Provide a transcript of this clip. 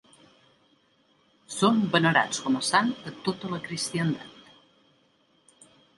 Són venerats com a sant a tota la cristiandat.